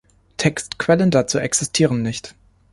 Textquellen dazu existieren nicht.